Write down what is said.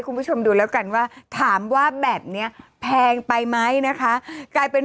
คุณผู้ชมดูแล้วกันว่าถามว่าแบบนี้แพงไปไหมนะคะกลายเป็น